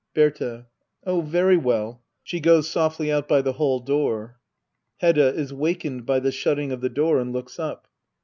Berta. Oh, very well. [She goes softly out by the hall door, Hedda. [Is wakened by the shutting of the door, and looks up.